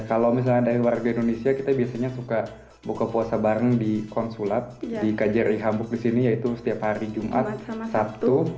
kalau misalnya dari warga indonesia kita biasanya suka buka puasa bareng di konsulat di kjri hamburg di sini yaitu setiap hari jumat sabtu